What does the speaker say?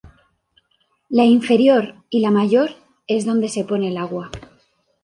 La inferior y mayor es donde se pone el agua.